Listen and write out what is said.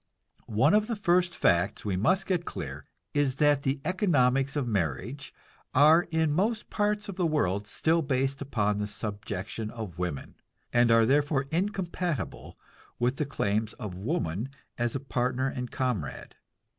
One of the first facts we must get clear is that the economics of marriage are in most parts of the world still based upon the subjection of woman, and are therefore incompatible with the claims of woman as a partner and comrade.